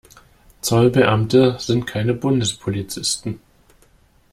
Zollbeamte sind keine Bundespolizisten.